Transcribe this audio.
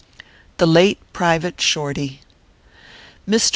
THE LATE PRIVATE SHORTY. Mr.